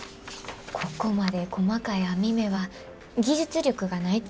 ここまで細かい網目は技術力がないとでけへんらしくて。